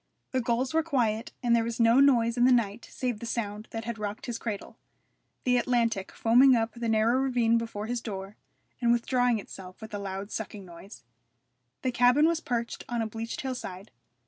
The gulls were quiet, and there was no noise in the night save the sound that had rocked his cradle the Atlantic foaming up the narrow ravine before his door, and withdrawing itself with a loud sucking noise. The cabin was perched on a bleached hillside.